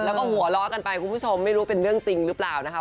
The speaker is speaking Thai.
แล้วก็หัวเราะกันไปคุณผู้ชมไม่รู้เป็นเรื่องจริงหรือเปล่านะคะ